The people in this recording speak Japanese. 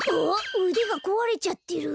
うでがこわれちゃってる。